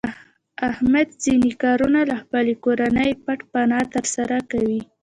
احمد ځنې کارونه له خپلې کورنۍ پټ پناه تر سره کوي.